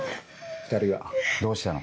２人はどうしたの？